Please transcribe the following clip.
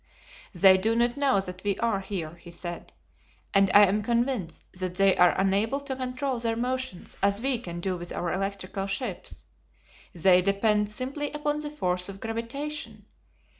"They do not know that we are here," he said, "and I am convinced that they are unable to control their motions as we can do with our electrical ships. They depend simply upon the force of gravitation.